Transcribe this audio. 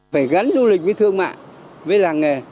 phải gắn du lịch với thương mại với làng nghề